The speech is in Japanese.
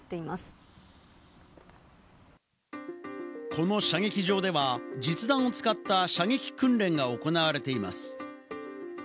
この射撃場では実弾を使った射撃訓練が行われています。